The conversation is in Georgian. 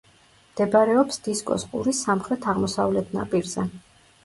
მდებარეობს დისკოს ყურის სამხრეთ-აღმოსავლეთ ნაპირზე.